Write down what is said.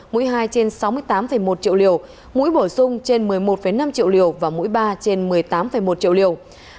mũi hai trên sáu mươi tám một triệu liều mũi bổ sung trên một mươi một năm triệu liều và mũi ba trên một mươi tám một triệu liều